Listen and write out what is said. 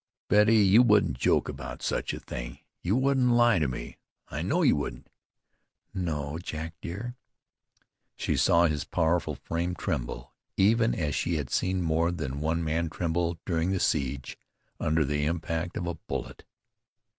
"Betty, you wouldn't joke about such a thing; you wouldn't lie to me, I know you wouldn't." "No, Jack dear." She saw his powerful frame tremble, even as she had seen more than one man tremble, during the siege, under the impact of a bullet.